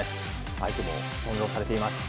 相手も翻弄されています。